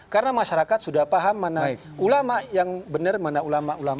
karena masyarakat sudah paham mana ulama yang benar mana ulama ulama